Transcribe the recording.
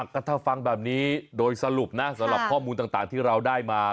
ก็ถ้าฟังแบบนี้โดยสรุปนะสำหรับข้อมูลต่างที่เราได้มา